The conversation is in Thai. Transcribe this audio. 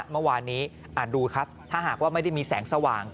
เมื่อวานนี้ดูครับถ้าหากว่าไม่ได้มีแสงสว่าง